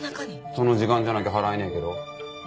その時間じゃなきゃ払えねえけど。